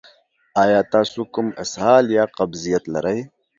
ایا تاسو کوم اسهال یا قبضیت لرئ؟